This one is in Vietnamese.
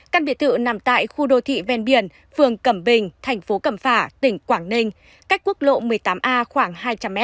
căn biệt thự nằm tại khu đô thị ven biển phường cẩm bình thành phố cẩm phả tỉnh quảng ninh cách quốc lộ một mươi tám a khoảng hai trăm linh m